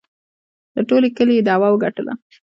له ټول کلي یې دعوه وگټله